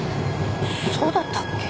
そうだったっけ？